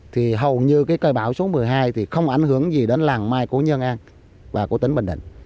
thì hầu như cái cơn bão số một mươi hai thì không ảnh hưởng gì đến làng mai của nhân an và của tỉnh bình định